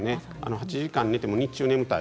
８時間寝ても日中、眠たい。